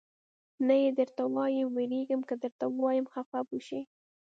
نه یې درته وایم، وېرېږم که یې درته ووایم خفه به شې.